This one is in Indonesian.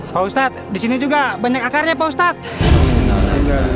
pak ustadz disini juga banyak akarnya pak ustadz